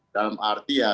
dalam arti ya